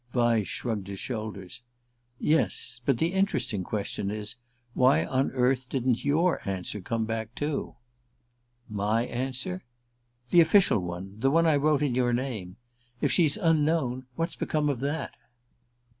Vyse shrugged his shoulders. "Yes; but the interesting question is why on earth didn't your answer come back, too?" "My answer?" "The official one the one I wrote in your name. If she's unknown, what's become of _that?